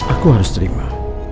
aku harus terima